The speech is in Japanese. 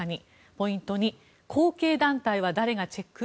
ポイント２後継団体は誰がチェック？